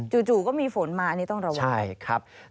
จู่ก็มีฝนมานี่ต้องระวัง